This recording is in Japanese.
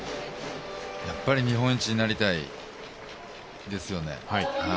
やっぱり日本一になりたいですよね。